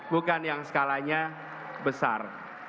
bukan yang skalanya besar